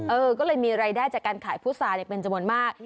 เออก็เลยมีรายได้จากการขายพุษาเป็นจำนวนมาก